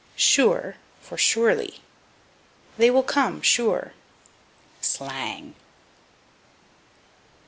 Sure for Surely. "They will come, sure." Slang.